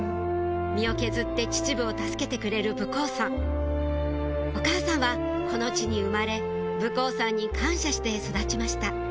身を削って秩父を助けてくれる武甲山お母さんはこの地に生まれ武甲山に感謝して育ちました